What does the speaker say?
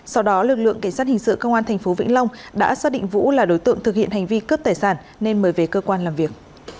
sau đó lực lượng cảnh sát hình sự công an tp vĩnh long đã xác định vũ là đối tượng thực hiện hành vi cướp tài sản nên mời về cơ quan làm việc